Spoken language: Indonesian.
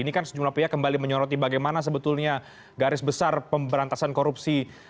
ini kan sejumlah pihak kembali menyoroti bagaimana sebetulnya garis besar pemberantasan korupsi